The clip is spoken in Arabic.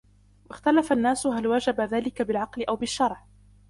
وَاخْتَلَفَ النَّاسُ هَلْ وَجَبَ ذَلِكَ بِالْعَقْلِ أَوْ بِالشَّرْعِ